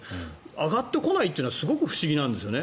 上がってこないっていうのはすごく不思議なんですよね。